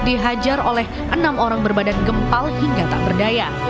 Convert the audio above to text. dihajar oleh enam orang berbadan gempal hingga tak berdaya